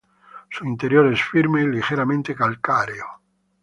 Su interior es firme y ligeramente calcáreo.